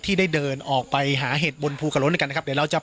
ปกติพี่สาวเราเนี่ยครับเป็นคนเชี่ยวชาญในเส้นทางป่าทางนี้อยู่แล้วหรือเปล่าครับ